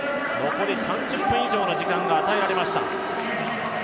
ここで３０分以上の時間が与えられました。